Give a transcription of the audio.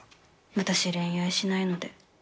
私、恋愛しないので。